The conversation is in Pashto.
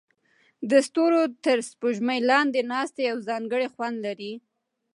د ستورو تر سپوږمۍ لاندې ناستې یو ځانګړی خوند لري.